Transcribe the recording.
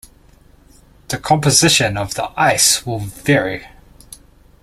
The composition of the ice will vary.